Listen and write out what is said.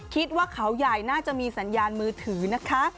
คิดว่าเขาใหญ่น่าจะมีสัญญาณมือถือนะคะ